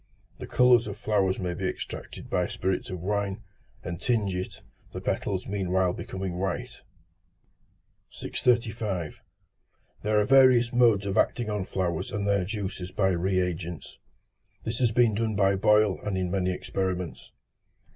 The colours of flowers may be extracted by spirits of wine, and tinge it; the petals meanwhile becoming white. 635. There are various modes of acting on flowers and their juices by re agents. This has been done by Boyle in many experiments.